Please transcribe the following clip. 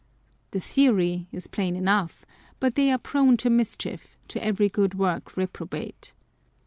The theory is plain enough ; but they are prone to mischief, " to every good wTork reprobate."